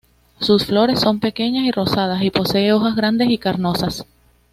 Sus flores son pequeñas y rosadas y posee hojas grandes y carnosas.